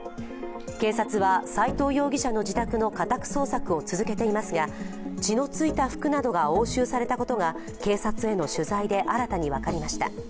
警察は斉藤容疑者の自宅の家宅捜索を続けていますが血の付いた服などが押収されたことが警察への取材で新たに分かりました。